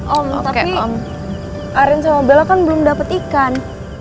om tapi arin sama bella kan belum dapat ikan